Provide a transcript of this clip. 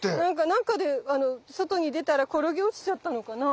何かで外に出たら転げ落ちちゃったのかな？